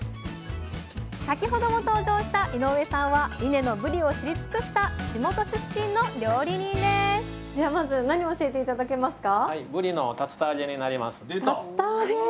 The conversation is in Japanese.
先ほども登場した井上さんは伊根のぶりを知り尽くした地元出身の料理人ですではまず何を教えて頂けますか？